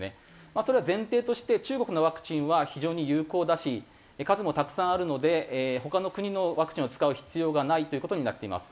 それは前提として中国のワクチンは非常に有効だし数もたくさんあるので他の国のワクチンを使う必要がないという事になっています。